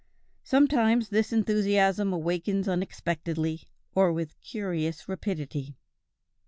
Sometimes this enthusiasm awakens unexpectedly, or with curious rapidity."